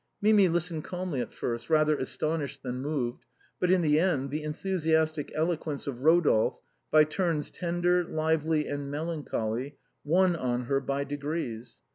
Mimi listened calmly at first, rather astonished than moved, but in the end, the en thusiastic eloquence of Eodolphe, by turns tender, lively, and melancholy, won on her by degrees.